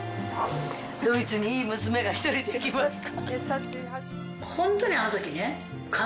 ドイツにいい娘が１人できました。